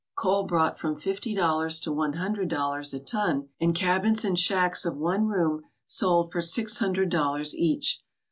Coal brought from fifty dollars to one hun dred dollars a ton, and cabins and shacks of one room sold for six hundred dollars each.